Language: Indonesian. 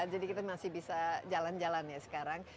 jadi kita masih bisa jalan jalan ya sekarang